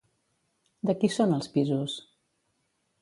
De qui són els pisos?